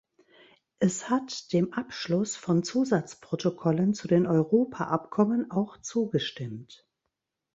Es hat dem Abschluss von Zusatzprotokollen zu den Europaabkommen auch zugestimmt.